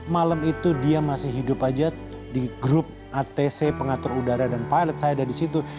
malam itu dia masih hidup aja di grup atc pengatur udara dan pilot saya ada di situ